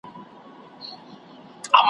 څه کورونه به ورانیږي او لوټیږي `